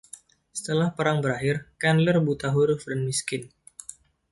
Setelah perang berakhir, Chandler buta huruf dan miskin.